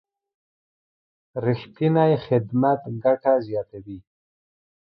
رښتینی خدمت ګټه زیاتوي.